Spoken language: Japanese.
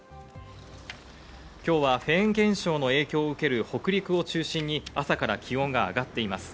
今日はフェーン現象の影響を受ける北陸を中心に朝から気温が上がっています。